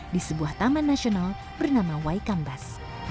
di sebuah taman nasional bernama waikambas